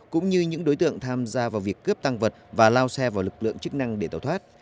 cũng như những đối tượng tham gia vào việc cướp tăng vật và lao xe vào lực lượng chức năng để tẩu thoát